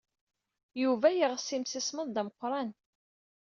Yuba yeɣs imsismeḍ d ameqran.